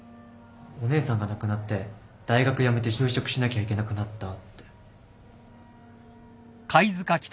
お姉さんが亡くなって大学辞めて就職しなきゃいけなくなったって。